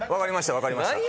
分かりました。